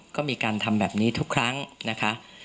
ก็มีการทำแบบนี้ทุกครั้งนะคะ